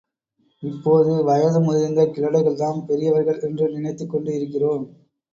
இப்போது வயதுமுதிர்ந்த கிழடுகள்தாம் பெரியவர்கள் என்று நினைத்துக்கொண்டு இருக்கிறோம்.